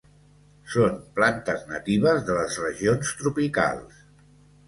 Són plantes natives de les regions tropicals.